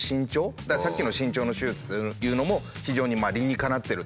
だからさっきの身長の手術というのも非常に理にかなってると。